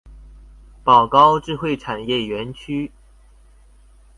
寶高智慧產業園區